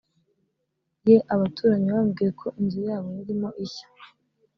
ye Abaturanyi bamubwiye ko inzu yabo yarimo ishya